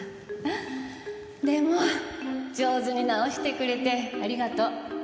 でも上手に直してくれてありがとう。